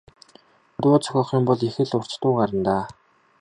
Дуу зохиох юм бол их л урт дуу гарна даа.